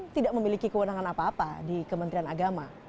tidak memiliki kewenangan apa apa di kementerian agama